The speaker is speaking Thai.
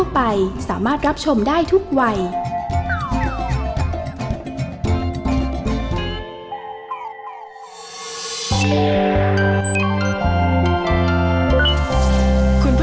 คุณล่ะโหลดแล้วยัง